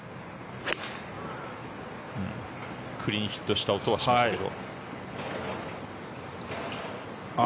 クリーンヒットした音はしましたけど。